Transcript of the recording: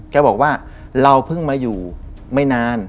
แกบอกว่าเราเพิ่งมาอยู่ไม่นาน